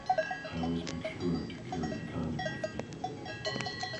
I always make sure to carry a condom with me.